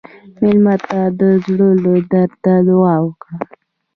مېلمه ته د زړه له درده دعا ورکړه.